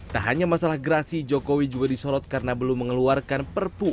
tak hanya masalah gerasi jokowi juga disorot karena belum mengeluarkan perpu